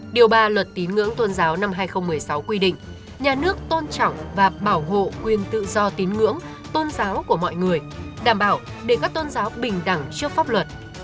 điều ba luật tín ngưỡng tôn giáo năm hai nghìn một mươi sáu quy định nhà nước tôn trọng và bảo hộ quyền tự do tín ngưỡng tôn giáo của mọi người đảm bảo để các tôn giáo bình đẳng trước pháp luật